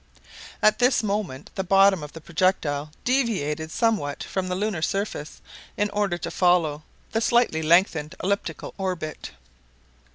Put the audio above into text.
At this moment the bottom of the projectile deviated somewhat from the lunar surface, in order to follow the slightly lengthened elliptical orbit.